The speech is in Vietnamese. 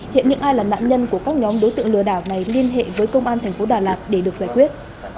hiện những ai là nạn nhân của các nhóm đối tượng lừa đảo này liên hệ với công an thành phố đà lạt để được giải quyết